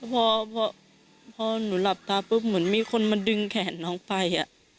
พอพอหนูหลับตาปุ๊บเหมือนมีคนมาดึงแขนน้องไป